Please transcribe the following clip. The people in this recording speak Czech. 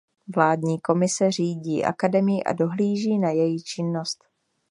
Vládní komise řídí akademii a dohlíží na její činnost.